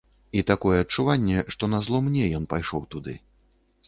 І такое адчуванне, што назло мне ён пайшоў туды.